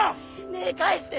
ねえ返して！